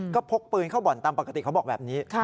ก็พกปืนเข้าบ่อนตามปกติเขาบอกแบบนี้